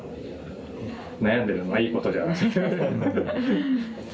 悩んでるのはいいことじゃないですか。